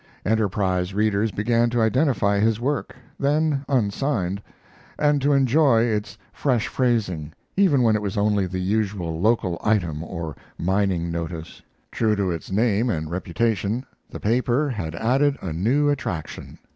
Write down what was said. Enterprise readers began to identify his work, then unsigned, and to enjoy its fresh phrasing, even when it was only the usual local item or mining notice. True to its name and reputation, the paper had added a new attraction.